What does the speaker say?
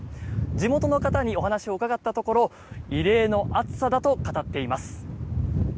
地元の方にお話を伺ったところ異例の暑さだと語っています。